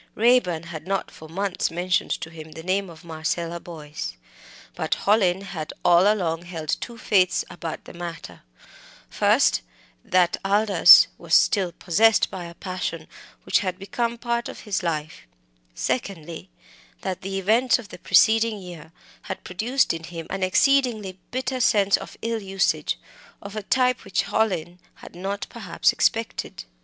Raeburn had not for months mentioned to him the name of Marcella Boyce, but Hallin had all along held two faiths about the matter: first, that Aldous was still possessed by a passion which had become part of his life; secondly, that the events of the preceding year had produced in him an exceedingly bitter sense of ill usage, of a type which Hallin had not perhaps expected.